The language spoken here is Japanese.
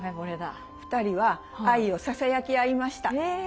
２人は愛をささやき合いました。え。